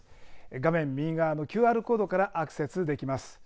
画面右側のＱＲコードからアクセスできます。